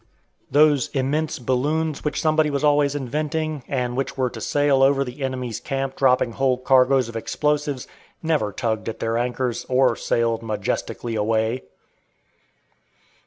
Those immense balloons which somebody was always inventing, and which were to sail over the enemy's camps dropping whole cargoes of explosives, never "tugged" at their anchors, or "sailed majestically away."